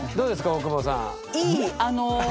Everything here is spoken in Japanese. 大久保さん。